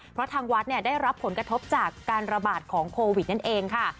เพราะทางวัดได้รับผลกระทบจากการระบาดของโควิดนั่นเองค่ะ